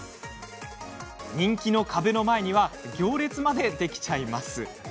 人気の壁の前には行列までできちゃうんです。